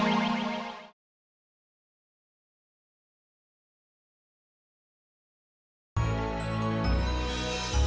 tidak ada yang tahu atu kang dadang